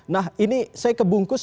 nah ini saya ke bungkus